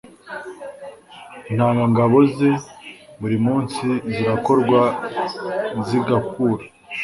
intanga ngabo ze buri munsi zirakorwa zigakura.